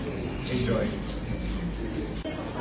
ขอบคุณครับ